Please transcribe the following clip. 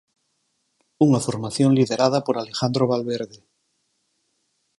Unha formación liderada por Alejandro Valverde.